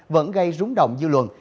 vẫn gây rúng động dư luận